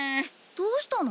どうしたの？